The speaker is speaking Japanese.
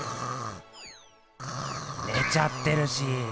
ねちゃってるし！